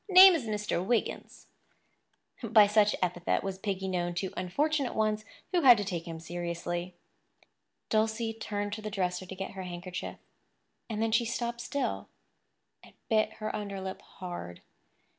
"Name is Mr. Wiggins." By such epithet was Piggy known to unfortunate ones who had to take him seriously. Dulcie turned to the dresser to get her handkerchief; and then she stopped still, and bit her underlip hard.